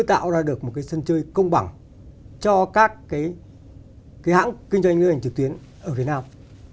chứ không giữ được cái sân chơi công bằng cho các cái hãng kinh doanh ngân hành trực tuyến ở việt nam